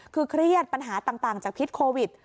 คือเครียดปัญหาต่างจากพิษโควิด